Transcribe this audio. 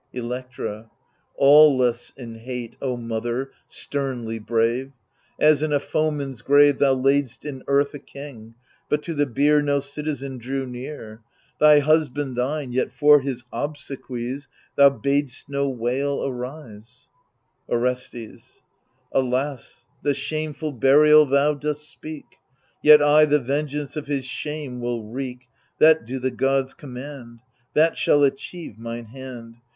Electra Aweless in hate, O mother, sternly brave ! As in a foeman's grave Thou laid'st in earth a king, but to the bier No citizen drew near, — Thy husband, thine, yet for his obsequies. Thou bad'st no wail arise I Orestes Alas, the shameful ^ burial thou dost speak I Yet I the vengeance of his shame will wreak — That do the gods command I That shall achieve mine hand